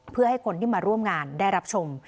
เพื่อให้คนที่มาร่วมงานได้รับชม